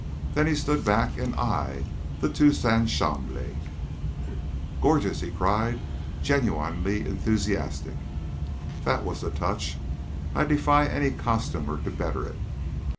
Then he stood back and eyed the tout ensemble. "Gorgeous!" he cried, genuinely enthusiastic. "That was the touch. I defy any costumer to better it.